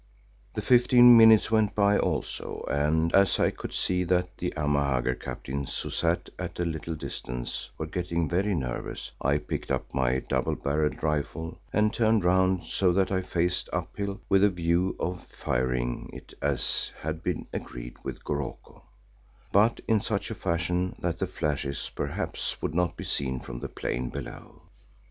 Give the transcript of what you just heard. The fifteen minutes went by also, and as I could see that the Amahagger captains who sat at a little distance were getting very nervous, I picked up my double barrelled rifle and turned round so that I faced up hill with a view of firing it as had been agreed with Goroko, but in such a fashion that the flashes perhaps would not be seen from the plain below.